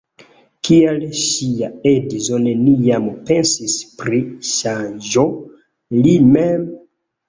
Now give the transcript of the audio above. Kial ŝia edzo neniam pensis pri ŝanĝo, li mem?